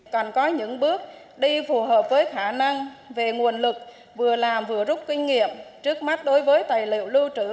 cần có những bước đi phù hợp với khả năng về nguồn lực vừa làm vừa rút kinh nghiệm trước mắt đối với tài liệu lưu trữ